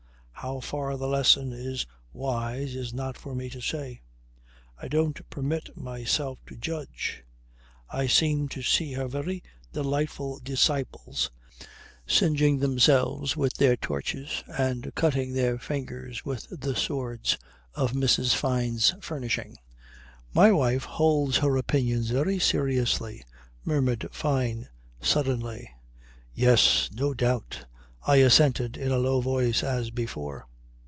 How far the lesson is wise is not for me to say. I don't permit myself to judge. I seem to see her very delightful disciples singeing themselves with the torches, and cutting their fingers with the swords of Mrs. Fyne's furnishing." "My wife holds her opinions very seriously," murmured Fyne suddenly. "Yes. No doubt," I assented in a low voice as before.